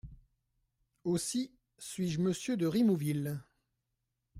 Aussi, suis-je Monsieur de Rimouville.